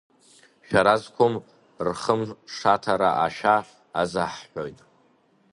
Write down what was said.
Шәара зқәым рхымшаҭара ашәа азаҳҳәоит!